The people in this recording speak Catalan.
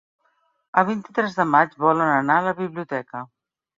El vint-i-tres de maig volen anar a la biblioteca.